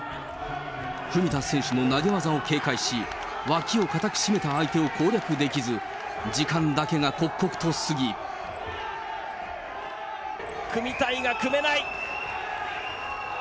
文田選手の投げ技を警戒し、脇を固く締めた相手を攻略できず、組みたいが組めない。